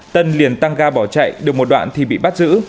tân liền tăng ga bỏ chạy được một đoạn thì bị bắt giữ